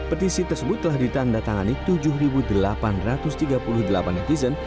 petisi tersebut telah ditanda tangani tujuh delapan ratus tiga puluh delapan netizen